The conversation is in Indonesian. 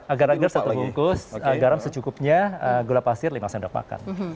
agar agar satu bungkus garam secukupnya gula pasir lima sendok pakan